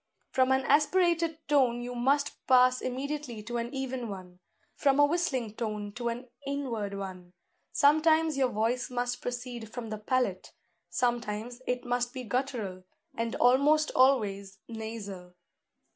From an aspirated tone you must pass immediately to an even one; from a whistling note to an inward one: sometimes your voice must proceed from the palate; sometimes it must be guttural, and almost always nasal.